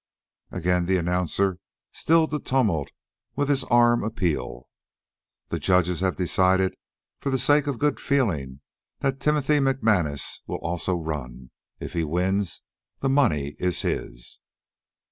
Again the announcer stilled the tumult with his arm appeal. "The judges have decided, for the sake of good feelin', that Timothy McManus will also run. If he wins, the money's his."